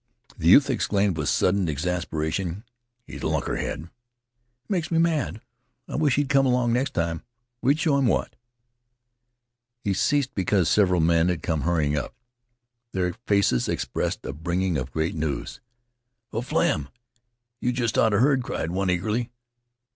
The youth exclaimed with sudden exasperation: "He's a lunkhead! He makes me mad. I wish he'd come along next time. We'd show 'im what " He ceased because several men had come hurrying up. Their faces expressed a bringing of great news. "O Flem, yeh jest oughta heard!" cried one, eagerly.